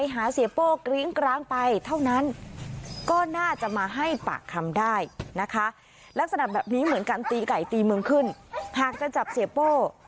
หากจะจับเสียโป้